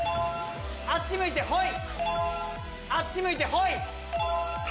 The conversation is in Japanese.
あっち向いてホイ。